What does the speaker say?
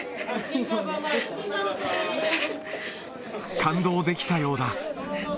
感動できたようだ。